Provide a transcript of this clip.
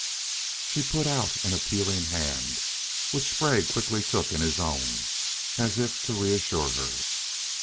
She put out an appealing hand, which Sprague quickly took in his own, as if to reassure her.